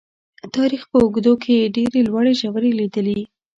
تاریخ په اوږدو کې یې ډېرې لوړې ژورې لیدلي.